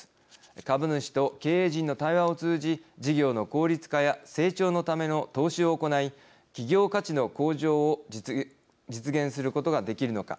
株主と経営陣の対話を通じ事業の効率化や成長のための投資を行い企業価値の向上を実現することができるのか。